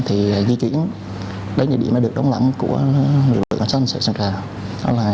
thì di chuyển đến địa điểm được đóng lãnh của người dân sân sơn trà đó là nhà ga